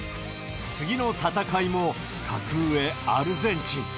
次の戦いも、格上、アルゼンチン。